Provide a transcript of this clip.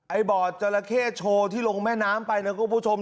บอร์ดจราเข้โชว์ที่ลงแม่น้ำไปนะคุณผู้ชม